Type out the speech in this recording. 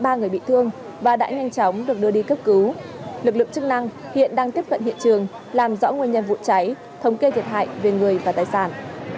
ba người bị thương và đã nhanh chóng được đưa đi cấp cứu lực lượng chức năng hiện đang tiếp cận hiện trường làm rõ nguyên nhân vụ cháy thống kê thiệt hại về người và tài sản